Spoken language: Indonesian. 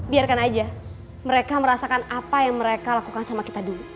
biarkan aja mereka merasakan apa yang mereka lakukan sama kita dulu